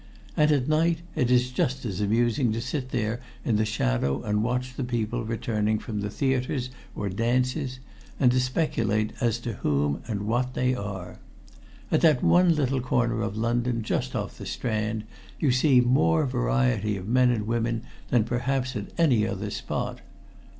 And at night it is just as amusing to sit there in the shadow and watch the people returning from the theaters or dances and to speculate as to whom and what they are. At that one little corner of London just off the Strand you see more variety of men and women than perhaps at any other spot.